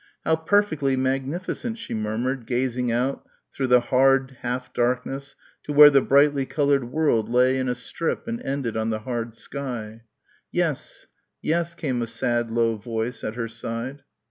"How perfectly magnificent," she murmured, gazing out through the hard half darkness to where the brightly coloured world lay in a strip and ended on the hard sky. "Yes ... yes," came a sad low voice at her side.